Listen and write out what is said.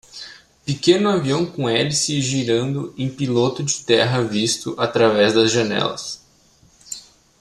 Pequeno avião com hélice girando em piloto de terra visto através das janelas